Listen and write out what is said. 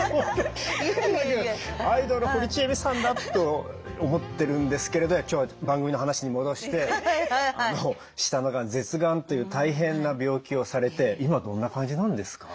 アイドル堀ちえみさんだと思ってるんですけれど今日は番組の話に戻して舌のがん舌がんという大変な病気をされて今どんな感じなんですか？